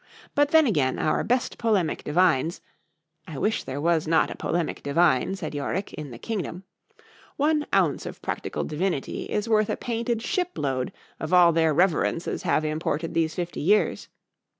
—But then again, our best polemic divines—I wish there was not a polemic divine, said Yorick, in the kingdom;—one ounce of practical divinity—is worth a painted ship load of all their reverences have imported these fifty years.